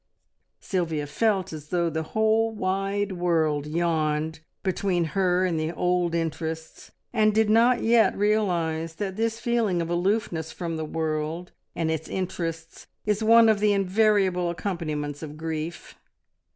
Sylvia felt as though the whole wide world yawned between her and the old interests, and did not yet realise that this feeling of aloofness from the world and its interests is one of the invariable accompaniments of grief.